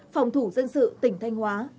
phòng thủ dân sự tỉnh thanh hóa